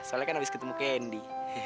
soalnya kan habis ketemu kendi